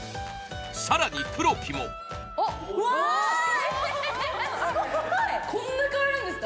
更に黒木もこんなに変わるんですか！？